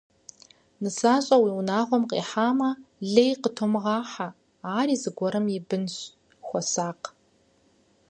Нысащӏэ уи унагъуэм къихьамэ, лей къытумыгъыхьэ, ари зыгуэрым и бынщ, хуэсакъ.